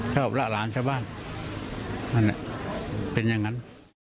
ถ้าบอกล้าร้านชาวบ้านนั่นเนี่ยเป็นอย่างนั้น